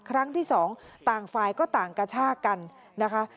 ครั้งที่สองต่างฝ่ายก็ต่างกระชากกันนะคะ